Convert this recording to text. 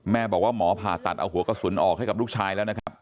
บอกว่าหมอผ่าตัดเอาหัวกระสุนออกให้กับลูกชายแล้วนะครับ